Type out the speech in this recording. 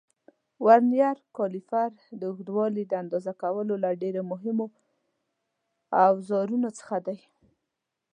ورنیر کالیپر د اوږدوالي د اندازه کولو له ډېرو مهمو اوزارونو څخه دی.